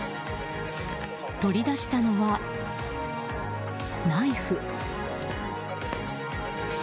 取り出したのは、ナイフ。